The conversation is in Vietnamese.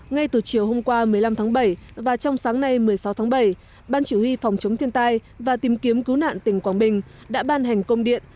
ngay từ chiều hôm qua một mươi năm tháng bảy và trong sáng nay một mươi sáu tháng bảy ban chỉ huy phòng chống thiên tai và tìm kiếm cứu nạn tỉnh quảng bình đã ban hành công điện